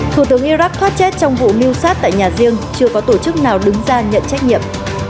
thủ tướng iraq thoát chết trong vụ mưu sát tại nhà riêng chưa có tổ chức nào đứng ra nhận trách nhiệm